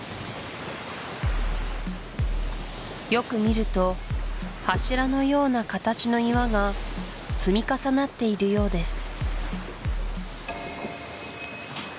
よく見ると柱のような形の岩が積み重なっているようです